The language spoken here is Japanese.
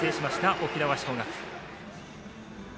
沖縄尚学。